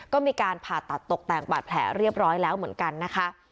ก็มีการผ่าตัดตกแต่งบาดแผลเรียบร้อยแล้วเหมือนกันนะคะ